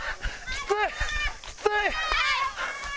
きつい！